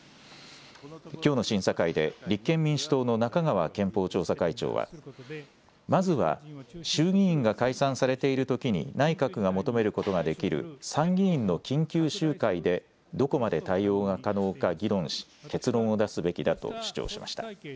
きょうの審査会で立憲民主党の中川憲法調査会長はまずは衆議院が解散されているときに内閣が求めることができる参議院の緊急集会でどこまで対応が可能か議論し結論を出すべきだと主張しました。